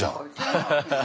ハハハハハ。